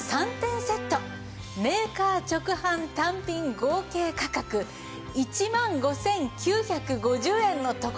メーカー直販単品合計価格１万５９５０円のところ